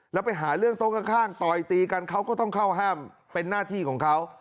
แล้วไปหาเรื่องโต๊ะข้างต่อยตีกันเขาก็ต้องเข้าห้ามเป็นหน้าที่ของเขา